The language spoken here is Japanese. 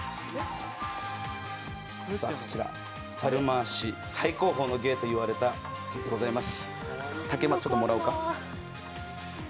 猿回し最高峰の芸と言われた芸でございます。